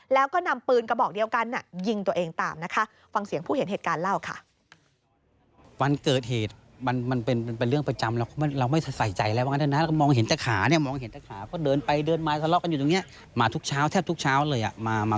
แล้วก็นำปืนกระบอกเดียวกันยิงตัวเองตามนะคะ